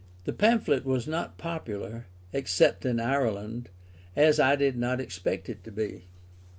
The pamphlet was not popular, except in Ireland, as I did not expect it to be.